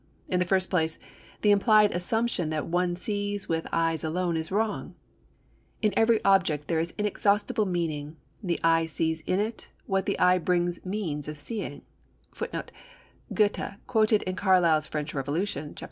In the first place, the implied assumption that one sees with the eye alone is wrong: "In every object there is inexhaustible meaning; the eye sees in it what the eye brings means of seeing," [Footnote 2: Goethe, quoted in Carlyle's French Revolution, chap.